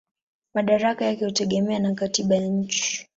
Madaraka yake hutegemea na katiba ya nchi.